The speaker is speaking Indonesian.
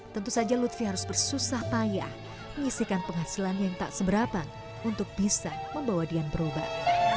tentu saja lutfi harus bersusah payah menyisikan penghasilan yang tak seberapa untuk bisa membawa dian berobat